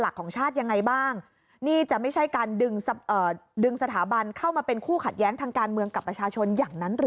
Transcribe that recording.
ก็ใช้การดึงสถาบันเข้ามาเป็นคู่ขัดแย้งทางการเมืองกับประชาชนอย่างนั้นหรือ